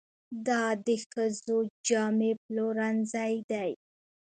دا د ښځو جامې پلورنځی دی.